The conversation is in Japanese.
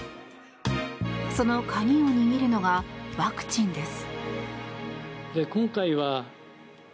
その鍵を握るのはワクチンです。